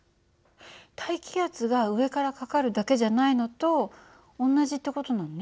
大気圧が上からかかるだけじゃないのと同じって事なのね。